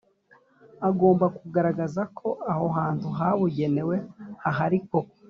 agomba kugaragaza ko aho hantu habugenewe hahari koko